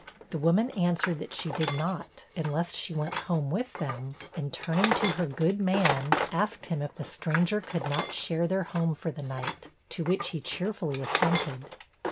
The woman answered, that she did not, unless she went home with them; and turning to her 'good man,' asked him if the stranger could not share their home for the night, to which he cheerfully assented.